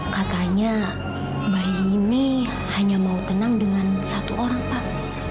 katanya bayi ini hanya mau tenang dengan satu orang pak